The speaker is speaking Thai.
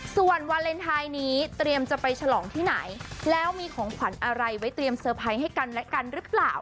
ส่วนวาเลนไทยนี้เตรียมจะไปฉลองที่ไหนแล้วมีของขวัญอะไรไว้เตรียมเตอร์ไพรส์ให้กันและกันหรือเปล่า